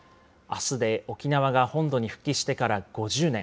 あすで沖縄が本土に復帰してから５０年。